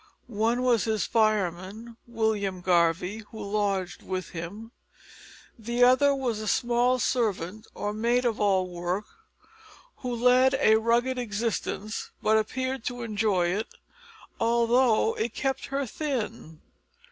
One was his fireman, William Garvie, who lodged with him, the other a small servant or maid of all work who led a rugged existence, but appeared to enjoy it, although it kept her thin.